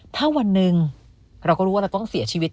ถ้าวันหนึ่งเราก็รู้ว่าเราต้องเสียชีวิต